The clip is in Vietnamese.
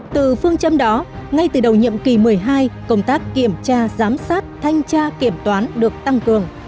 từ phương châm đó ngay từ đầu nhiệm kỳ một mươi hai công tác kiểm tra giám sát thanh tra kiểm toán được tăng cường